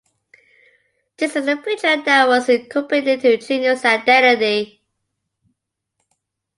This is a feature that was incorporated into Juno's identity.